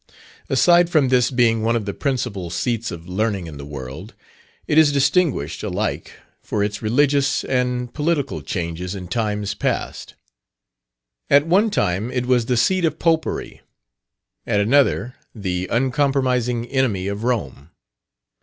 Aside from this being one of the principal seats of learning in the world, it is distinguished alike for its religious and political changes in times past. At one time it was the seat of Popery; at another, the uncompromising enemy of Rome.